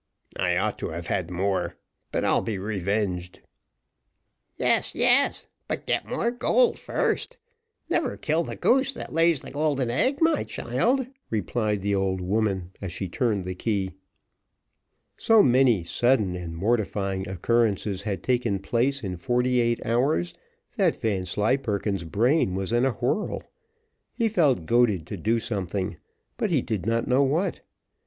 "I ought to have had more, but I'll be revenged." "Yes, yes, but get more gold first. Never kill the goose that lays the golden egg, my child," replied the old woman, as she turned the key. So many sudden and mortifying occurrences had taken place in forty eight hours that Vanslyperken's brain was in a whirl. He felt goaded to do something, but he did not know what.